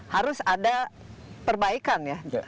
harus ada perbaikan ya